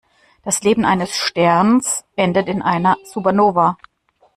Das Leben eines Sterns endet in einer Supernova.